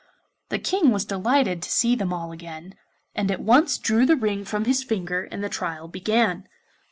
The King was delighted to see them all again, and at once drew the ring from his finger and the trial began.